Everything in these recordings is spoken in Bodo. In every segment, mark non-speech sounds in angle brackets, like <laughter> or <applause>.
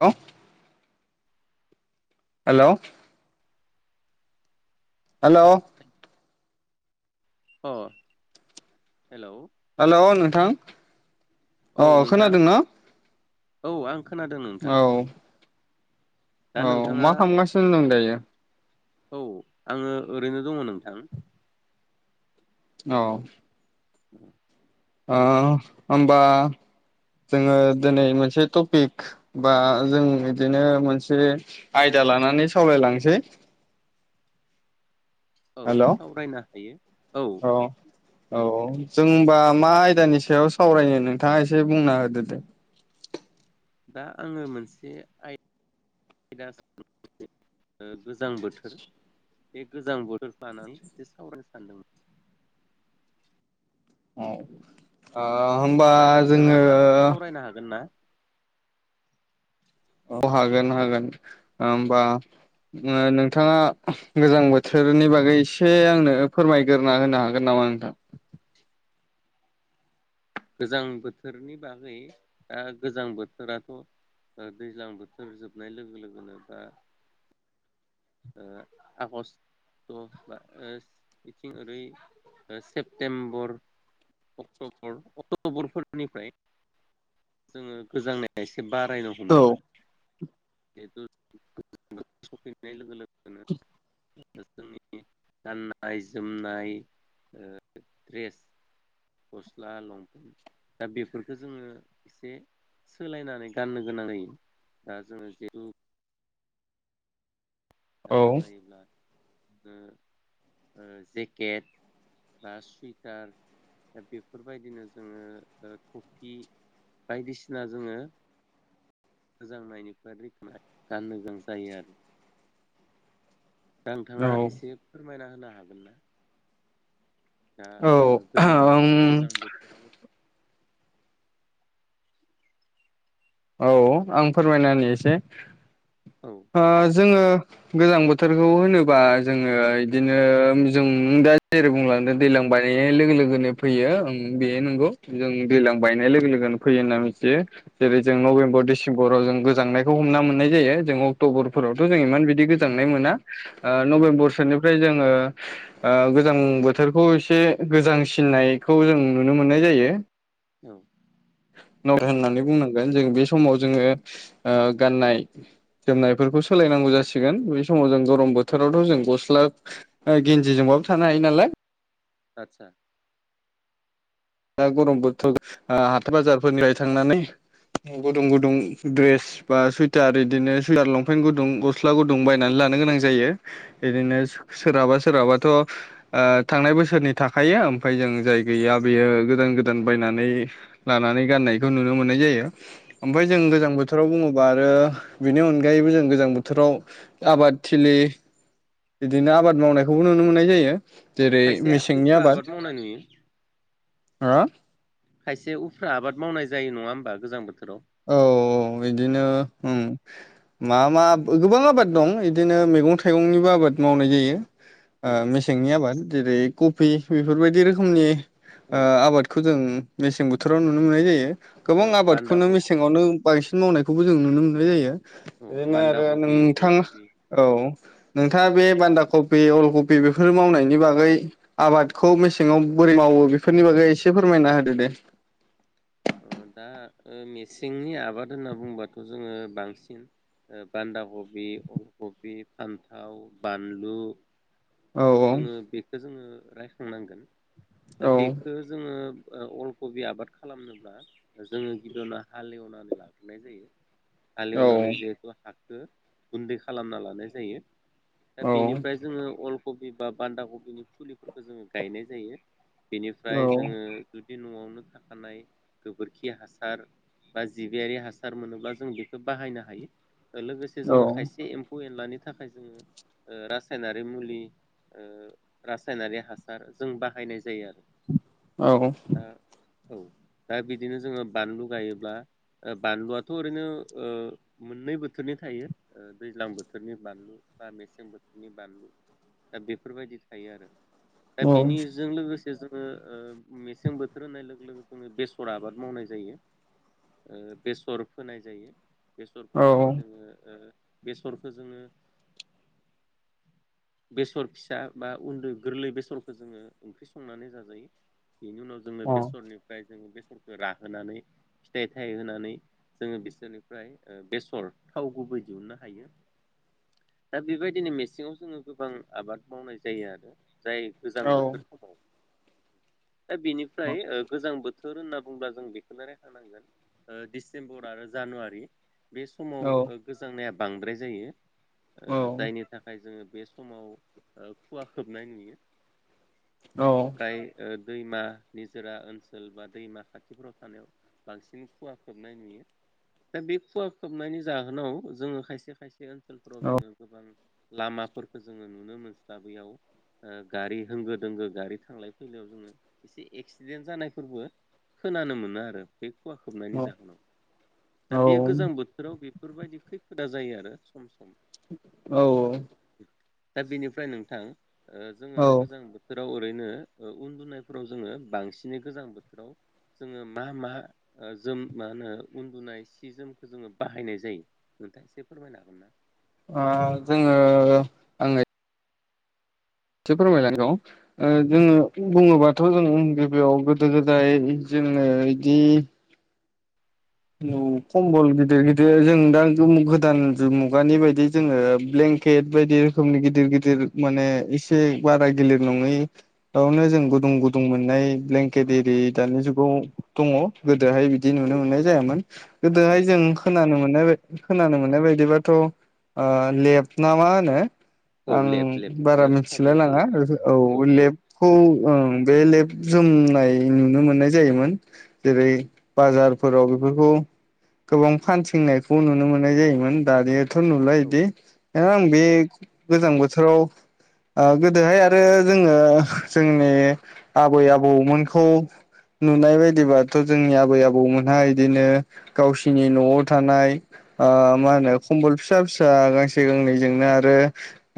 औ हेल'! हेल'! अ हेल'! हेल'! नोंथां औ अ नोंथां खोनादों ना? औ आं खोनादों नोंथां। दा औ नोंथाङा मा खालामगासिनो दं दायो? औ आंङो ओरैनो दंङ नोंथां। औ। <inaudible> आ होमबा जोंङो दिनै मोनसे टपिक बा जों बिदिनो मोनसे आयदा लानानै सावरायलांसै। औ हेलौ सावरायनो हायो औ। औ जोंबा मा आयदानि सायाव सावरायनो नोंथांङा एसे बुंना होदो दे। <inaudible> दा आंङो मोनसे आयदा <unintelligible> ओ गोजां बोथोर। बे गोजां बोथोरखौ लानानै एसे सावरायनो सानदोंमोन। <inaudible> औ ओ होमबा दा नोंथाङा जोंङो सावरायनो हागोन ना औ हागोन हागोन। ओ होमबा नो-नोंथांङा गोजां बोथोरनि बागै एसे आंनो फोरमायग्रोना होनो हागोन नामा? मा नोंथां? गोजां बोथोरनि बागै दा गोजां बोथोराथ' दैज्लां बोथोर जोबनाय लोगो लोगोनो दा ओ आगष्ट ट' बा ओ बिथिं ओरै ओ सेप्तेम्बर अक्टबर अक्ट'बरफोरनिफ्राय जोङो गोजांनाय एसे बारायनो औ हमो <unintelligible> <inaudible> सौफैनाय लोगो लोगो। दिनो <inaudible> गाननाय जोमनाय ओ द्रेस गस्ला लंप दा बेफोरखौ जोङो एसे सोलायनानै गाननो गोनां जायो। दा जोङो जेतु औ थाखा जायोब्ला ओ ओ जेकेट बा सुइटार बेफोरबायदिनो जोङो ओ थफि बायदिसिना जोङो गोजांनायनिफ्राय रैखोमा गाननो गोनां जायो आरो दा औ नोंथाङा एसे फोरमायना होनो हागोन ना। दा औ गोजां ओम गोजां बोथोराव औ आं फोरमायना नि एसे औ ओ जोङो गोजां बोथोरखौ होनोबा जोङो इदिनो जों दा जेरै बुंलांदों दैलां बायनाय लोगो लोगोनो फैयो उम बेयो नंगौ जों दैज्लां बायनाय लोगो लोगोनो फैयो होनना मिथियो जेरै जों औ नभेम्बर, डिसेम्बराव जों गोजांनायखौ हमना मोननाय जायो। जों औ अक्ट'बरफोरावथ' जों इमान बिदि गोजांनाय मोना ओ उम नभेम्बरसोनिफ्राय जों ङो ओ गोजां बोथोरखौ एसे गोजांसिननायखौ जों नुनो मोननाय जायो। उम न होननानै बुंनांगोन जों बे समाव जोङो ओ गाननाय जोमनायफोरखौ सोलायनांगौ जासिगोन। बै समाव जों गरम उम बोथोरावथ' जों गस्ला गिन्जिजोंबाबो थानो हायो नालाय आतसा दा गरम बोथोर आं हाथाय बाजारफोरनिफ्राय थांनानै गुदुं गुदुं द्रेस बा सुइटार इदिनो सुइटार लंपेन्ट गुदुं गस्ला गुदुं बायनानै ला लानो गोनां जायो। इदिनो सोरहाबा सोरहाबाथ' ओ थांनाय बोसोरनि थाखायो ओमफ्राय जों जाय गैया बेयो गोदान गोदान बायनानै लानानै गाननायखौ नुनो मोननाय जायो। ओमफ्राय जों गोजां बोथोराव बुङोबा आरो बेनि अनगायैबो जों गोजां बोथोराव आबाद थिलि बिदिनो आबाद मावनायखौबो नुनो मोननाय जायो। अ जेरै खायसे मेसेंनि उफ्रा आबाद मावनाय नुयो। हो खायसे उफ्रा आबाद मावनाय जायो नङा होमबा गोजां बोथोर औ औ बिदिनो उम मा मा गोबां आबाद दं इदिनो मैगं थाइगंनिबो आबाद मावनाय जायो। ओ उम मेसेंनि आबाद जेरै कफि बेफोरबायदि रोखोमनि ओ औ आबादखौ जों मेसें बोथोराव नुनो मोननाय जायो। गोबां औ बान्दा आबादखौनो कबि मेसें नो बांसिन मावनायखौबो जों नुनो मोननाय जायो। औ इदिनो बान्दा आरो कबि नोंथां अलकबि औ नोंथाङा उम बे बान्दा ख फि, अल कफि बेफोर मावनायनि बागै आबादखौ मेसेङाव बोरै मावो बेफोरनि बागै एसे फोरमाय मायना होदो दे। अ दा ओ मेसेंनि आबाद होनना बुंबाथ' जोङो बांसिन बान्दा कब, अल कब, फान्था, बानलु औ जोङो बेखौ जोङो रायखांनांगोन औ दा बेखौ जोङो ओ अलकबि आबाद खालामनोब्ला जोङो गिबियावनो हालेवनानै लाग्रोनाय जायो। औ हालेवनानै जिहेथु हाखौ गुन्दै खालामना लानाय जायो दा औ बेनिफ्राय जोङो अल कबि बा बान्दा कबिनि फुलिफोरखौ जोङो गायनाय जायो। बेनिफ्राय जोङो जुदि न'आवनो थाखानाय गोबोरखि हासार बा जिबियारि हासार मोनोब्ला जों बेखौ बाहायनो हायो। लोगोसे औ जोङो खायसे एम्फौ एनलानि थाखाय जोङो ओ रासायनारि मुलि ओ रासायनारि हासार जों बाहायनाय जायो आरो औ दा औ दा बिदिनो जोङो बानलु गायोब्ला बानलुआथ 'ओ ओरैनो ओ मोननै बोथोरनि थाय थायो ओ दैज्लां बोथोरनि बानलु बा मेसें बोथोरनि बानलु दा बेफोरबायदि थायो आरो दा औ बेनिजों लोगोसे जोङो ओ मेसें बोथोर होननाय लोगो लोगो जोङो बेस सर आबाद मावनाय जायो ओ बेसर फोनाय जायो बेसर औ फोनानै जोङो बेसरखौ जोङो <unintelligible> बेसर फिसा बा उन्दै गोरलै बेसरखौ जोङो ओंख्रि संनानै जाजायो बिनि उनाव जोङो बेसरनिफ्राय जोंङो बेस ओ राहोनानै फिथाइ थाय होनानै जोङो बिसोरनिफ्राय बेसर थाव गुब बो‌ दिहुननो हायो। <unintelligible> दा बेबायदिनो मेसेङाव जोङो गोबां आबाद मावनाय जायो आरो जाय गोजां बोथोर समाव दा बेनिफ्राय गोजां बोथोर होनना बुंब्ला जों बेखौनो रायखानांगोन डिसेम्बर आरो जानुवारि बे समाव गोजांनाया बांद्राय जायो औ जायनि थाखाय जोङो बे समाव खुवा खोबनाय नुयो औ फ्राय ओ दैमा निजोरा ओनसोल बा दैमा खाथि खाथिफोराव थानायाव बांसिन खुवा खोबनाय नुयो दा बे खुवा खोबनायनि जाहोनाव जोङो खायसे खायसे ओनसोलफोराव औ जोङो गोबां लामाफोरखौ जोङो नुनो मोनस्लाबलाय लाङा ओ गारि होंगो दोंगो गारि थांलाय फैलायाव जोङो एसे एक्सिडेन्ट जानायफोरबो खोनानो मोनो आरो बे खुवा औ खोबनायनि जाहोनाव औ दा बे गोजां बोथोराव बे बेफोरबायदि खैफोदा जायो आरो सम सम औ दा बेनिफ्राय नोंथां ओ जोङो औ ओ गोजां बोथोर फ्राव ओरैनो उन्दुनायफोराव जोङो बांसिनै गोजां बोथोराव जोङो मा मा जोम मा होनो उन्दुनाय सि जोमखौ जोङो बाहायनाय जायो नोंथां एसे फोरमायनो हागोन ना ओ जोङो आङो एसे फोरमायलांगौ ओ जोङो बुङोबाथ' जों गिबियाव गोदो गोदाय जि जोङो इदि औ कम्बल गिदिर गिदिर जों दा गोदान मुगानि बायदि जोङो ब्लें ब्लेंकेट बायदि रोखोमनि गिदिर गिदिर माने एसे बारा गिलिर नङै आवनो जों गुदुं गुदुं मोननाय ब्लेंकेट एरि दानि जुगाव दङ गोदोहाय बिदि औ नुनो औ मोननाय जायामोन गोदोहाय औ जों खोनानो मोन नो खोनानो मोननाय बायदिबाथ' ओ लेब न मा होनो औ आं लेब लेब बारा लेबसो मिथिलाय खालामनाय लाङा जायो औ लेबखौ ओं बे लेब जोमनाय नुनो मोननाय जायोमोन जेरै बाजार फोराव बेफोरखौ गोबां फानथिंनायखौ नुनो मोननाय जायोमोन दानि थ' नुलााय इदि आं उम बे गोजां बोथोराव ओ गोदोहाय आरो जोङो जोंनि आबै आबौमोनखौ नुनाय बायदिबाथ' जोंनि आबै आबौमोन बिदिनो गावसिनि न'आव थानाय ओ मा होनो खमबल फिसा फिसा। गांसे गांनैजोंनो आरो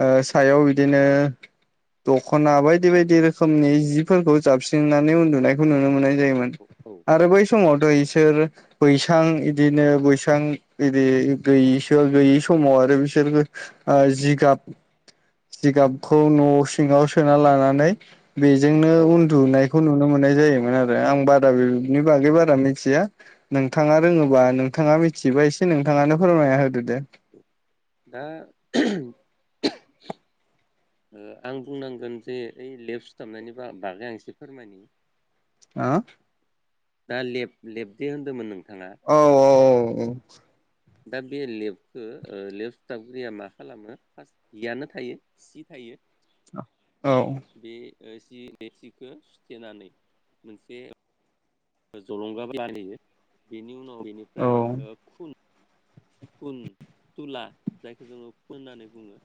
ओ सायाव बिदिनो। दख'ना बायदि बायदि रोखोमनि जिफोरखौ जाबस्रिनानै उन्दुनायखौ नुनो मोनो। जायोमोन औ आरो बै समावथ' एसे। बिसोर बैसां इदिनो बैसां बिदि गैयिसो गैयि समाव आरो। ओ जिगाब। जिगाबखौ न' सिङाव सोना लानानै। बेजोंनो औ उन्दुनायखौ नुनो मोननाय जायोमोन आरो आं बारा बेनि बागै बारा मिथिया। नोंथाङा रोङोबा नोंथाङा मिथिबा एसे नोंथाङानो फोरमायना होदो दे। <unintelligible> <inaudible> ओ आं बुंनांगोन जे ओइ लेफ सुथाबनायनि बागै आं एसे फोरमायनि। <unintelligible> दा लेफ लेफ दे होन्दोंमोन नोंथाङा। औ <inaudible> दा बे लेफ्टखौ लेफ्ट सुथाबग्रिया मा खालामो फार्स्ट जियानो थायो सि थायो। औ। बे सि बे सिखौ सुथेनानै मोनसे। जलंगा लाानायहैयो बेनि उनाव बेनिफ्राय औ खुन <unintelligible> कुन थुला जायखौ जोङो कुन होननानै बुङो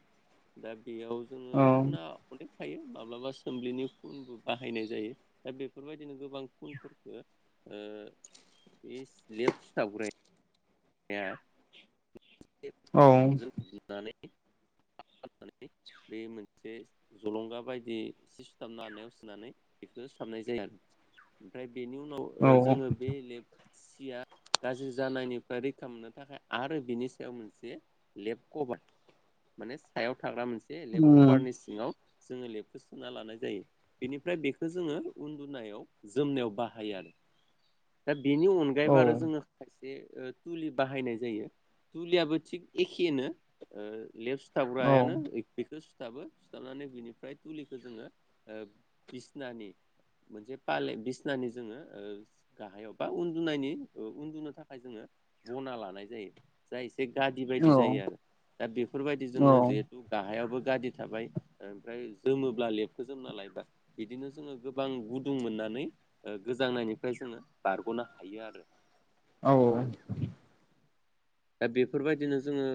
दा। बेयाव जोङो खुना अदेक। थायो माब्लाबा सोम्लिनि फुनबो बाहायनाय जायो दा बेफोरबायदिनो गोबां फुनफोरखौ। ओ बे लेब सुथाबग्राया। औ <inaudible> <inaudible> <inaudible> बे मोनसे जलंगा बायदि सि सुथाबनो हानायाव सुनानै बेखौ सुथाबनाय जाया आरो। ओमफ्राय बेनि उनाव औ औ जोङो बे लेपसिया गाज्रि जानायनिफ्राय रैखा। खालामनो थाखाय आरो बिनि सायाव मोनसे लेपकपार माने सायाव थाग्रा मोनसे। एसे लेब उम कभारनि सिङाव। जोङो लेबखौ सुना लानाय जायो बेनिफ्राय बेखौ जोङो उन्दुनायाव जोमनायाव बाहायो आरो। दा बेनि औ अनगायैबो आरो जोङो खायसे। थुलि बाहायनाय जायो थुलियाबो थिग एखेनो ओ। लेप औ सिथाबग्रायानो बेखौ। सुथाबो सुथाबनानै बिनिफ्राय थुलिखौ जोङो बिसनानि। मोनसे फाले बिसनानि जोङो ओ गाहायाव बा उन्दुनायनि उन्दुनो थाखाय जोङो। बना लानाय जायो जाय। एसे गादि औ बायदि जायो आरो दा बेफोरबायदि औ जोङो जिहेतु गाहायावबो। गादि थाबाय ओमफ्राय जोमोब्ला लेफ्टखौ जोमना लायबा बिदिनो जोङो गोबां गुदुं मोननानै। गोजांनायनिफ्राय जोङो बारग'नो हायो आरो। औ। दा बेफोरबायदिनो जोङो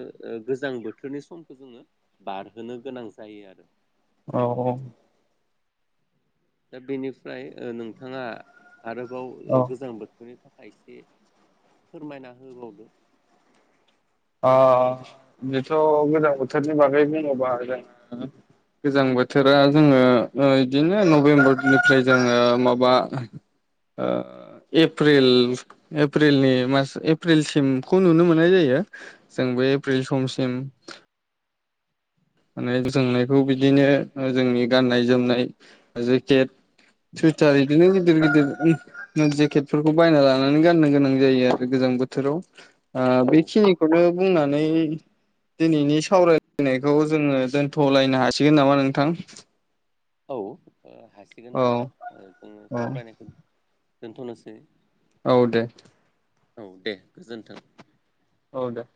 गोजां बोथोरनि समखौ जोङो बारहोनो गोनां जायो आरो। औ औ। दा बेनिफ्राय ओ नोंथाङा आरोबाव ओ गोजां बोथोरनि थाखाय। एसे फोरमायना होबावदो। अ बेथ' गोजां बोथोरनि बागै बुङोबा जोङो गोजां बोथोरा जोङो बिदिनो नभेम्बरनिफ्राय जोङो माबा ओ एप्रिल एप्रिलनि मास एप्रिलसिमखौ नुनो मोननाय जायो। जों बे एप्रिल समसिम माने गोजांनायखौ बिदिनो ओ जोंनि गाननाय जोमनाय जेकेट सुइटार इदिनो गिदिर गिदिर उ नो जेकेटफोरखौ बायना लानानै गाननो गोनां जायो आरो गोजां बोथोराव आह औ बेखिनिखौनो बुंनानै दिनैनि सावरायनाय खौ जोङो दोन्थ'लायनो हासिगोन नामा नोंथां। औ ओ हासिगोन औ नोंथां ओ जोङो औ सावरायनायखौ दोनथ'नोसै। औ दे औ दे गोजोन्थों। औ दे।